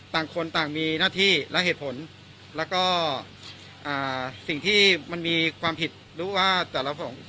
ต่างคนต่างมีหน้าที่และเหตุผลแล้วก็สิ่งที่มันมีความผิดรู้ว่าแต่ละของ